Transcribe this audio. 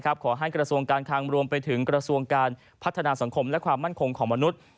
ขอให้กระทรวงการคังรวมไปถึงกระทรวงการพัฒนาสังคมและความมั่นคงของมนุษย์